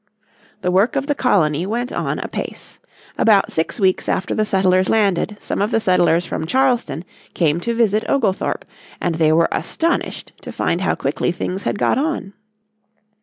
The work of the colony went on apace. About six weeks after the settlers landed some of the settlers from Charleston came to visit Oglethorpe, and they were astonished to find how quickly things had got on.